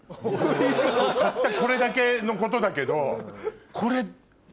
たったこれだけのことだけどこれ。